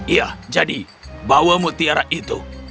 iya jadi bawa mutiara itu